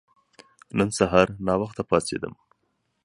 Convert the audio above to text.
نن سهار ناوخته پاڅیدم.